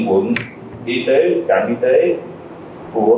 f là ba triệu